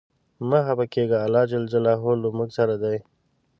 مه خپه کیږه ، الله ج له مونږ سره دی.